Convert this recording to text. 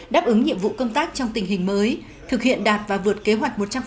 đáp ứng nhiệm vụ công tác trong tình hình mới thực hiện đạt và vượt kế hoạch một trăm linh